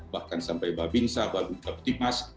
bahkan sampai babinsa babi teptimas